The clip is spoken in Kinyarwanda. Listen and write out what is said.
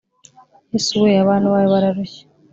yesu we abantu bawe bararushye